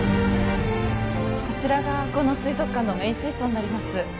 こちらがこの水族館のメイン水槽になります